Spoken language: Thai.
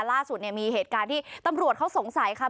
ล่าสุดเนี่ยมีเหตุการณ์ที่ตำรวจเขาสงสัยค่ะ